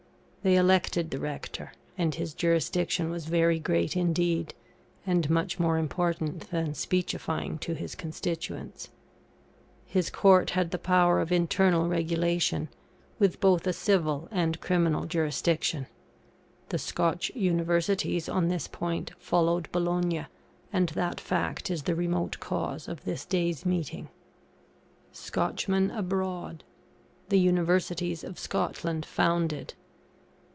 They elected the Rector, and his jurisdiction was very great indeed, and much more important than speechifying to his constituents. His Court had the power of internal regulation, with both a civil and criminal jurisdiction. The Scotch Universities, on this point, followed Bologna; and that fact is the remote cause of this day's meeting. [SCOTCHMEN ABROAD.] THE UNIVERSITIES OF SCOTLAND FOUNDED.